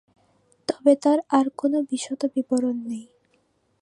তবে তার আর কোনও বিশদ বিবরণ নেই।